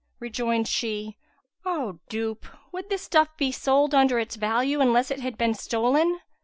Rejoined she, "O dupe, would this stuff be sold under its value, unless it had been stolen?